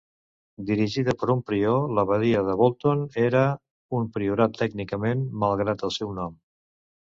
Dirigida per un prior, l'Abadia de Bolton era un priorat tècnicament, malgrat el seu nom.